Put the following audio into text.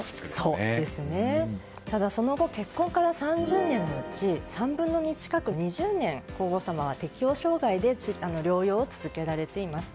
ただ、その後結婚から３０年のうち３分の２近くの２０年は皇后さまは適応障害で療養を続けられています。